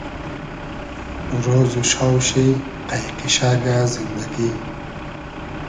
رۉز و شاو شی قݷ قیشئگۂ زیندئگی